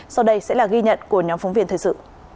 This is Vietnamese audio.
sau đây sẽ là ghi nhận của nhóm phóng viên thời sự